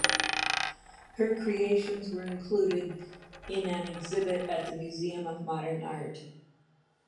Her creations were included in an exhibit at the Museum of Modern Art.